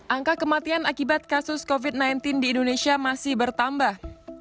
angka kematian akibat kasus covid sembilan belas di indonesia masih bertambah